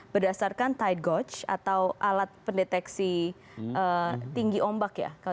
berdasarkan tide gauge atau alat pendeteksi tinggi ombak